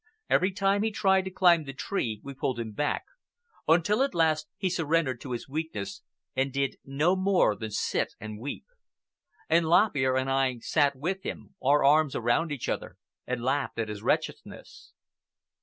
Every time he tried to climb the tree we pulled him back, until at last he surrendered to his weakness and did no more than sit and weep. And Lop Ear and I sat with him, our arms around each other, and laughed at his wretchedness.